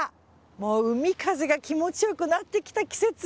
もう、海風が気持ち良くなってきた季節。